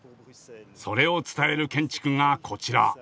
それを伝える建築がこちら。